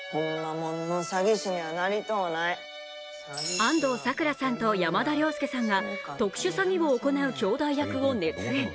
安藤サクラさんと山田涼介さんが特殊詐欺を行うきょうだい役を熱演。